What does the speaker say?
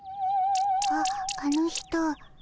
あっあの人。